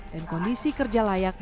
dan kondisi kerja layak bagi para pekerja